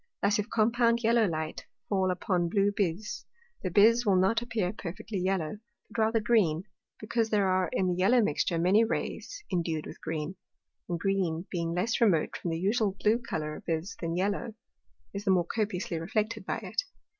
Thus if compound Yellow Light fall upon blue Bise, the Bise will not appear perfectly yellow, but rather green, because there are in the yellow mixture many Rays indued with green, and green being less remote from the usual blue Colour of Bise than yellow, is the more copiously reflected by it.